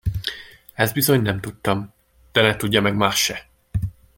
Ezt bizony nem tudtam, de ne tudja meg más se!